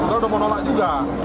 kita udah mau nolak juga